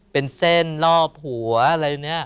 เป็นเส้นรอบหัวอะไรเนี่ย